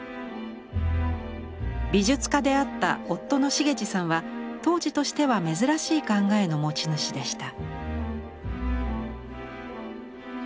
美術家であった夫の茂司さんは当時としては珍しい考えの持ち主でした。